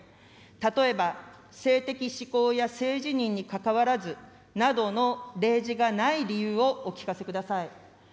例えば、性的指向や性自認にかかわらず、などの例示がない理由をお聞かせください。